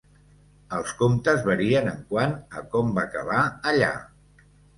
Els comptes varien en quant a com va acabar allà.